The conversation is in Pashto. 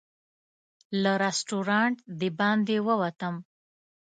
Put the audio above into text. له رسټورانټ د باندې ووتم.